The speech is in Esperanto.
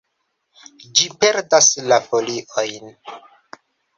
Ĝi perdas la foliojn.